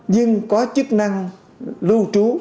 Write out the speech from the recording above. nhưng có chức năng lưu trú